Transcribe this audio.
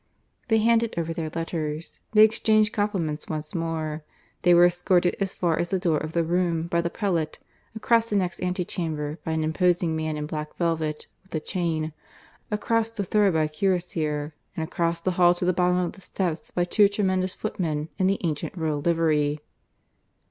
They handed over their letters; they exchanged compliments once more; they were escorted as far as the door of the room by the prelate, across the next ante chamber by an imposing man in black velvet with a chain, across the third by a cuirassier, and across the hall to the bottom of the steps by two tremendous footmen in the ancient royal livery.